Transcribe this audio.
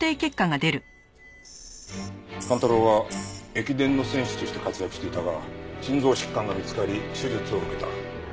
寛太郎は駅伝の選手として活躍していたが心臓疾患が見つかり手術を受けた。